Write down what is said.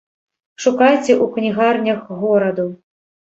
Шукайце ў кнігарнях гораду.